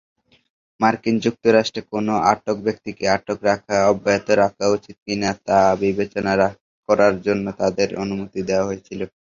মার্কিন যুক্তরাষ্ট্রে কোনও আটক ব্যক্তিকে আটকে রাখা অব্যাহত রাখা উচিত কিনা তা বিবেচনা করার জন্য তাদের অনুমতি দেওয়া হয়েছিল।